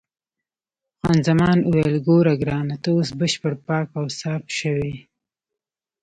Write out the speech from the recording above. خان زمان وویل: ګوره ګرانه، ته اوس بشپړ پاک او صاف شوې.